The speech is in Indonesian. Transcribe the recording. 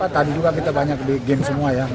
tadi juga kita banyak di game semua ya